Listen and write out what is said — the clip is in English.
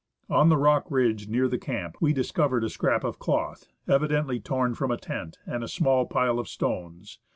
On the rock ridge near the camp we discovered a scrap of cloth, evidently torn from a tent, and a small pile of stones.